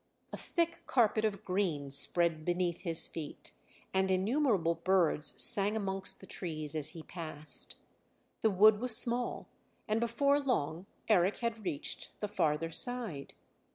A thick carpet of green spread beneath his feet, and innumerable birds sang amongst the trees as he passed. The wood was small, and before long Eric had reached the farther side.